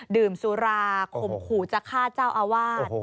ดื่มสุราข่มขู่จะฆ่าเจ้าอาวาส